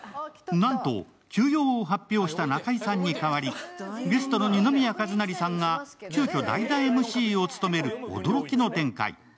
なんと、休養を発表した中居さんに代わりゲストの二宮和也さんが急きょ代打ＭＣを務める驚きの展開。